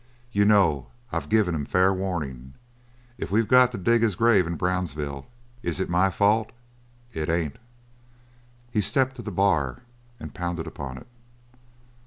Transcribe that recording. You know I've give him fair warning. If we got to dig his grave in Brownsville, is it my fault? It ain't!" He stepped to the bar and pounded upon it.